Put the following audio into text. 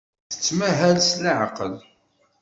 Tettmahal s leɛqel.